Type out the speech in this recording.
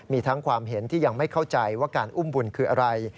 มีทั้งความเห็นที่ยังไม่เข้าใจว่าการอุ้มบุญคืออะไร